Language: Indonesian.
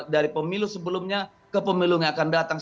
dari pemilu sebelumnya ke pemilu yang akan datang